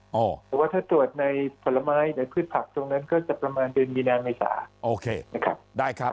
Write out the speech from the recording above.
แต่ว่าถ้าตรวจในผลไม้หรือพืชผักตรงนั้นก็จะประมาณเดือนมีนานเมษา